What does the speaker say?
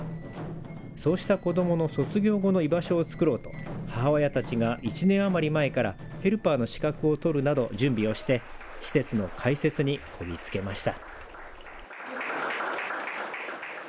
そうした子どもの卒業後の居場所をつくろうと母親たちが１年余り前からヘルパーの資格を取るなど準備をして施設の開設にこぎつけました。